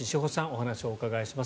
お話をお伺いします。